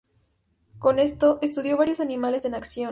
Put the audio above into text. Con esto, estudió varios animales en acción.